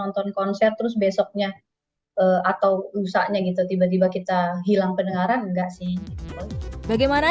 nonton konser terus besoknya atau rusaknya gitu tiba tiba kita hilang pendengaran enggak sih bagaimana